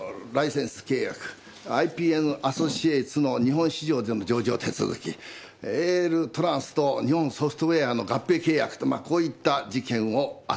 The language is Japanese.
ＩＰＮアソシエイツの日本市場での上場手続きＡＬトランスと日本ソフトウエアの合併契約とまあこういった事件を扱ってきました。